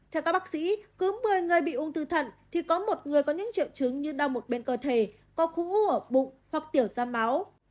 theo các bác sĩ cứ một mươi người bị ung thư thận thì có một người có những triệu chứng như đau một bên cơ thể có cũ ở bụng hoặc tiểu da máu